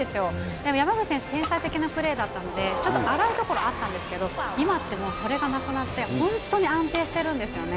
でも山口選手、天才的なプレーだったので、ちょっと荒いところあったんですけど、今ってもうそれがなくなって、本当に安定しているんですよね。